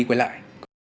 đi quay lại